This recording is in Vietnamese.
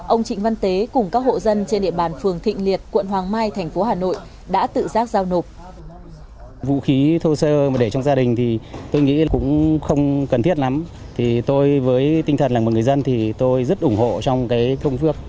ông trịnh văn tế cùng các hộ dân trên địa bàn phường thịnh liệt quận hoàng mai thành phố hà nội đã tự giác giao nộp